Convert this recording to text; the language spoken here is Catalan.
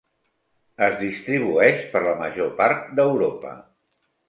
Es distribueix per la major part d'Europa.